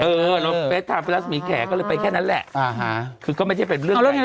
เออเราเฟสไทม์รัศมีแขก็เลยไปแค่นั้นแหละคือก็ไม่ได้เป็นเรื่องอะไร